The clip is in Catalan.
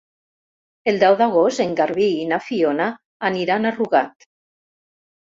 El deu d'agost en Garbí i na Fiona aniran a Rugat.